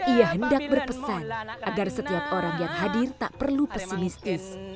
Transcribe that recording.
ia hendak berpesan agar setiap orang yang hadir tak perlu pesimistis